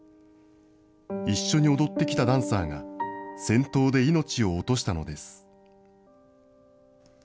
一緒に踊ってきたダンサーが、戦闘で命を落としたのです。